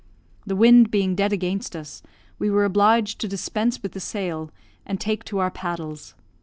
The wind being dead against us, we were obliged to dispense with the sail, and take to our paddles.